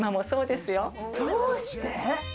どうして？